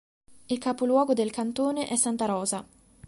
Il capoluogo del cantone è Santa Rosa.